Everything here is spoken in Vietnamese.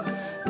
đây được xem